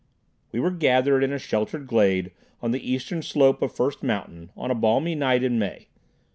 We were gathered in a sheltered glade on the eastern slope of First Mountain on a balmy night in May.